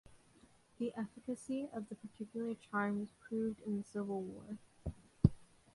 The efficacy of this particular charm was proved in the Civil War.